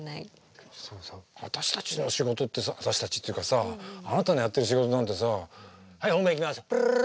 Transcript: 私たちの仕事ってさ私たちっていうかさあなたのやってる仕事なんてさはい本番いきますプルルル。